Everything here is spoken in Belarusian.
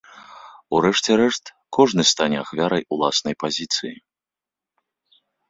У рэшце рэшт, кожны стане ахвярай уласнай пазіцыі.